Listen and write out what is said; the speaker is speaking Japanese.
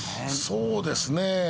そうですね。